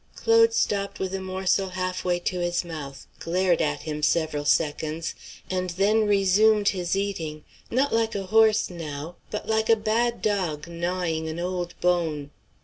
'" Claude stopped with a morsel half way to his mouth, glared at him several seconds, and then resumed his eating; not like a horse now, but like a bad dog gnawing an old bone.